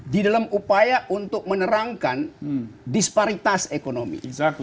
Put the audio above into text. di dalam upaya untuk menerangkan disparitas ekonomi